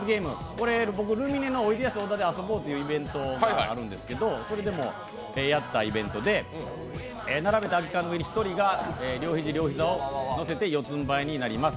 これ、僕、ルミネの「小田で遊ぼう」というイベントがあるんですけど、それでもやったイベントで、並べた空き缶の上に１人が両肘、両膝をのせた四つんばいになります。